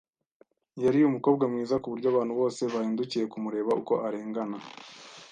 Yari umukobwa mwiza kuburyo abantu bose bahindukiye kumureba uko arengana